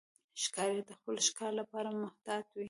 ښکاري د خپل ښکار لپاره محتاط وي.